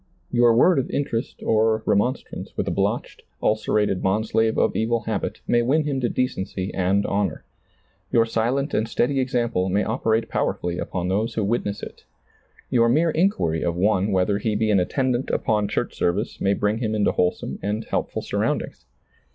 Your word of interest or remonstrance with a blotched, ulcerated bondslave of evil habit may win him to decency and honor. Your silent and steady example may operate powerfully upon those who witness it. Your mere inquiry of one whether he be an attendant upon church service may bring him into wholesome and helpful surroundings.